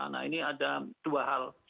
nah ini ada dua hal